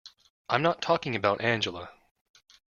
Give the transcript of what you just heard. I'm not talking about Angela.